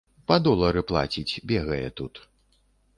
Па долары плаціць, бегае тут.